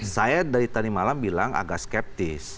saya dari tadi malam bilang agak skeptis